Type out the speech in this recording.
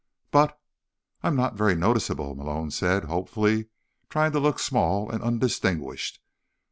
"But—" "I'm not very noticeable," Malone said hopefully, trying to look small and undistinguished.